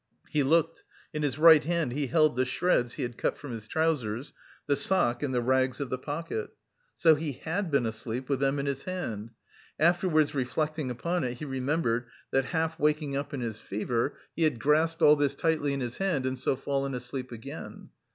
He looked; in his right hand he held the shreds he had cut from his trousers, the sock, and the rags of the pocket. So he had been asleep with them in his hand. Afterwards reflecting upon it, he remembered that half waking up in his fever, he had grasped all this tightly in his hand and so fallen asleep again.